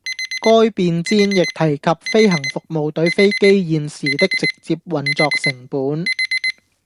該便箋亦提及飛行服務隊飛機現時的直接運作成本